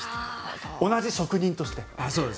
同じ職人として。